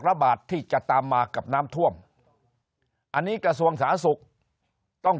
ระบาดที่จะตามมากับน้ำท่วมอันนี้กระทรวงสาธารณสุขต้อง